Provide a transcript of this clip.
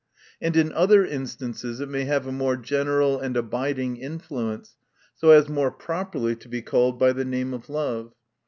And in other instances it may have a more gen eral and abiding influence, so as more properly to be called by the name of love.